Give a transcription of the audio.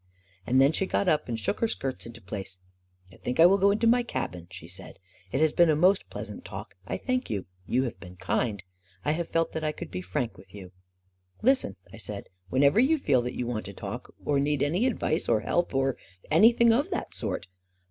And then she got up and shook her skirts into place. " I think I will go to my cabin," she said. " It has been a most pleasant talk. I thank you. You have been kind. I have felt that I could be frank with you." 44 Listen," I said. 4< Whenever you feel that you want to talk, or need any advice or help — or any thing of that sort ..